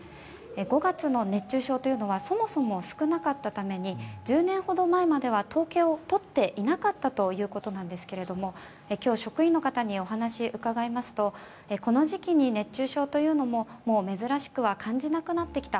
５月の熱中症というのはそもそも少なかったために１０年ほど前までは統計を取っていなかったということですが今日、職員の方にお話を伺いますとこの時期に熱中症というのももう珍しくは感じなくなってきた。